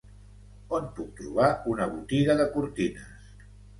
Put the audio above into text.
On puc trobar una botiga de cortines?